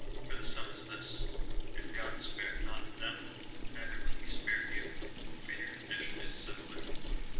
For the sum is this —" If God spared not them, neither will he spare you, for your condition is similar.''